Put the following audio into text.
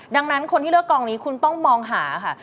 ดังนั้นคนที่เลือกกองนี้คุณต้องมองหาค่ะ